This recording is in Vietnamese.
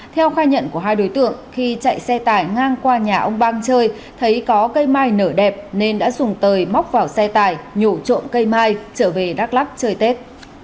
theo khai nhận của hai đối tượng khi chạy xe tải ngang qua nhà ông bang chơi thấy có cây mai nở đẹp nên đã dùng tời móc vào xe tải nhổ trộm cây mai trở về đắk lắc chơi tết